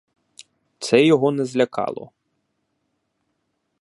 Це його не злякало.